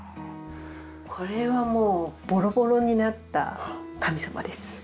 これはもうボロボロになった神様です。